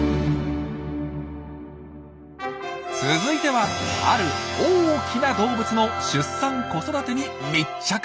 続いてはある大きな動物の出産・子育てに密着。